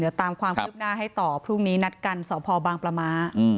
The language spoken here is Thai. เดี๋ยวตามความคืบหน้าให้ต่อพรุ่งนี้นัดกันสพบางประม้า